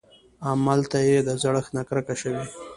املته يې د زړښت نه کرکه شوې.